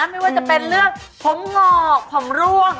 ไม่ว่าจะเป็นเรื่องผมงอกผมร่วง